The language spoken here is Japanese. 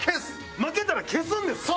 負けたら消すんですか？